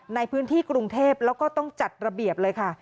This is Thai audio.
ในพื้นที่กรุงเทพแล้วก็ต้องจัดระเบียบเลยค่ะ